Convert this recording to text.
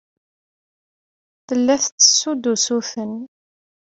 Tella tettessu-d usuten.